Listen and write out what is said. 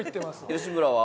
吉村は？